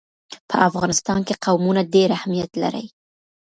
په افغانستان کې قومونه ډېر اهمیت لري.